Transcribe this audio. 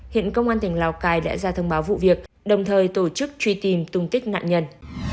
hiện công an tỉnh lào cai đã ra thông báo vụ việc đồng thời tổ chức truy tìm tung tích nạn nhân